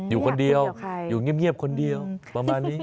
อยู่คนเดียวอยู่เงียบคนเดียวประมาณนี้